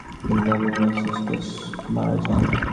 তিনি ক্যামব্রিজ, ম্যাসাচুসেটসে মারা যান।